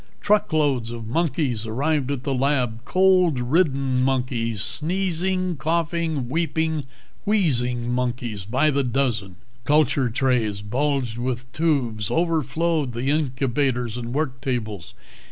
Truckloads of monkeys arrived at the lab cold ridden monkeys, sneezing, coughing, weeping, wheezing monkeys by the dozen. Culture trays bulged with tubes, overflowed the incubators and work tables.